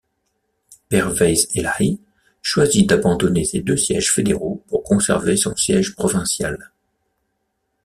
Pervaiz Elahi choisit d'abandonner ses deux sièges fédéraux pour conserver son siège provincial.